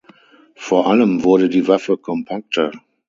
Vor allem wurde die Waffe kompakter.